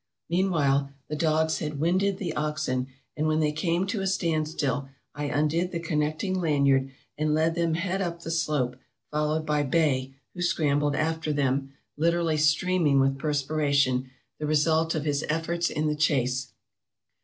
.. Meanwhile the dogs had winded the oxen, and when they came to a standstill I undid the con necting lanyard, and let them head up the slope, followed by Bay, who scrambled after them, literally streaming with per spiration, the result of his efforts in the chase.